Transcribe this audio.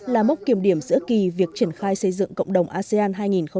là mốc kiểm điểm giữa kỳ việc triển khai xây dựng cộng đồng asean hai nghìn một mươi năm hai nghìn hai mươi